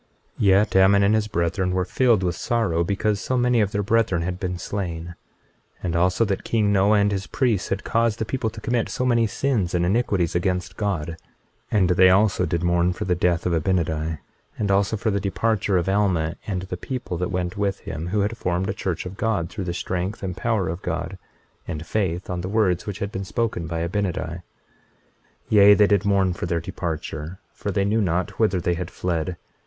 21:29 Yet Ammon and his brethren were filled with sorrow because so many of their brethren had been slain; 21:30 And also that king Noah and his priests had caused the people to commit so many sins and iniquities against God; and they also did mourn for the death of Abinadi; and also for the departure of Alma and the people that went with him, who had formed a church of God through the strength and power of God, and faith on the words which had been spoken by Abinadi. 21:31 Yea, they did mourn for their departure, for they knew not whither they had fled.